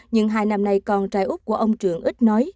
nhưng hai năm nay con trai úc của ông trường ít nói